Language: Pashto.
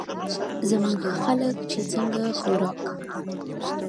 زمونږ خلک چې څنګه خوراک